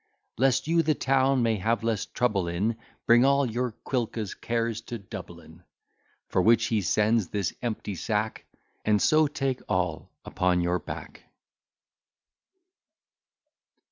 Lest you the town may have less trouble in Bring all your Quilca's cares to Dublin, For which he sends this empty sack; And so take all upon your back.